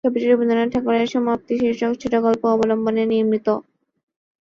ছবিটি রবীন্দ্রনাথ ঠাকুরের "সমাপ্তি" শীর্ষক ছোটোগল্প অবলম্বনে নির্মিত।